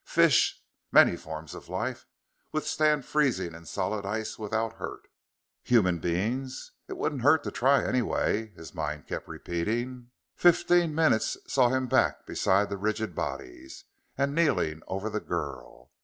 Fish many forms of life withstand freezing in solid ice without hurt. Human beings ? It wouldn't hurt to try, anyway, his mind kept repeating. Fifteen minutes saw him back beside the rigid bodies, and kneeling over the girl.